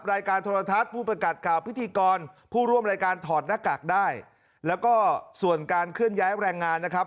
รายการโทรทัศน์ผู้ประกาศข่าวพิธีกรผู้ร่วมรายการถอดหน้ากากได้แล้วก็ส่วนการเคลื่อนย้ายแรงงานนะครับ